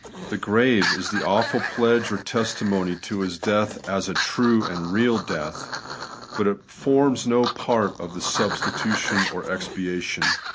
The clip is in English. The grave ia the awful pledge or testimony to His death as a true and real death ; but it forms no part of the substitution or expiation.